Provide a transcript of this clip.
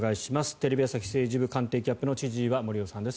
テレビ朝日政治部官邸キャップの千々岩森生さんです。